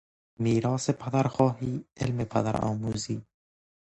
میراث پدرخواهی علم پدرآموزی ...